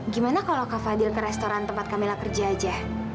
gimana kalau kak fadil ke restoran tempat kamela kerja aja